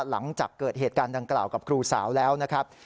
หลังจากเกิดเหตุการณ์ดังกล่าวกับครูสาวแล้วนะครับ